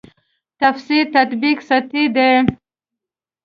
تفسیر تطبیق سطحې دي.